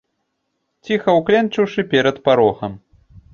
Ціха ўкленчыўшы перад парогам.